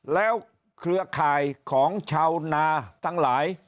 แล้วเครือข่ายของชาวนาทั้งหลาย